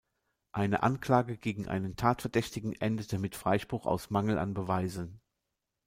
Eine Anklage gegen einen Tatverdächtigen endete mit Freispruch aus Mangel an Beweisen.